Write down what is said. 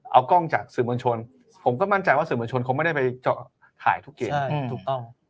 เอากล้องจากสื่อมวลชนผมก็มั่นใจว่าสื่อมวลชนเขาไม่ได้ไปถ่ายทุกเกณฑ์